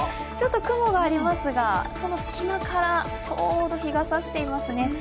ちょっと雲がありますがその隙間からちょうど日がさしていますね。